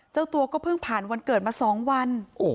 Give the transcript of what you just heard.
เจ้าตัวก็เพิ่งผ่านวันเกิดมา๒วัน